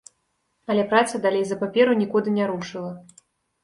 Але праца далей за паперу нікуды не рушыла.